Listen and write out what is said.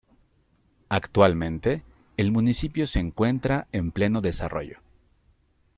Actualmente el municipio se encuentra en pleno desarrollo.